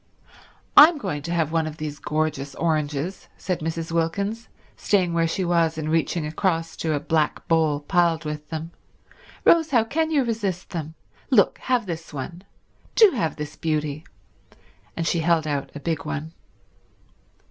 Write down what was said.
"I'm going to have one of these gorgeous oranges," said Mrs. Wilkins, staying where she was and reaching across to a black bowl piled with them. "Rose, how can you resist them. Look—have this one. Do have this beauty—" And she held out a big one.